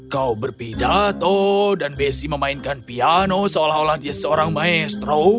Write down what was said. kau berpidato dan bessi memainkan piano seolah olah dia seorang maestro